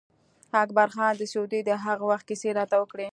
اکبر خان د سعودي د هغه وخت کیسې راته وکړې.